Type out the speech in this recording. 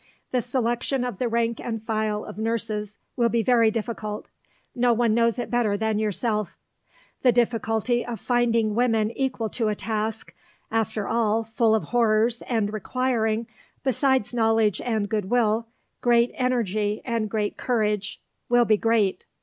The selection of the rank and file of nurses will be very difficult: no one knows it better than yourself. The difficulty of finding women equal to a task, after all, full of horrors, and requiring, besides knowledge and goodwill, great energy and great courage, will be great.